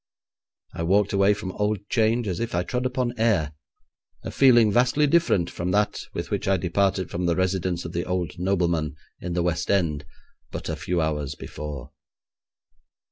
I walked away from Old Change as if I trod upon air; a feeling vastly different from that with which I departed from the residence of the old nobleman in the West End but a few hours before.